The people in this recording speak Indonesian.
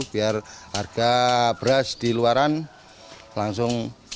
biar harga beras di luaran langsung